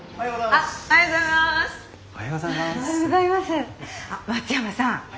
あっ松山さん